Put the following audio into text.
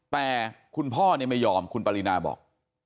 แต่คุณพ่อไม่ยอมคุณปรินาบอก